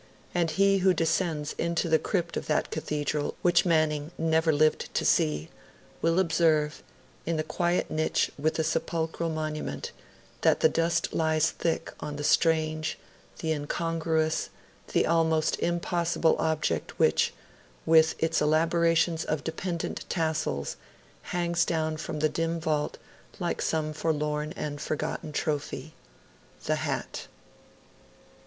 And he who descends into the crypt of that Cathedral which Manning never lived to see, will observe, in the quiet niche with the sepulchral monument, that the dust lies thick on the strange, the incongruous, the almost impossible object which, with its elaborations of dependent tassels, hangs down from the dim vault like some forlorn and forgotten trophy the Hat.